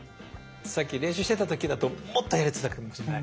さっき練習してた時だともっとやれてたかもしれない。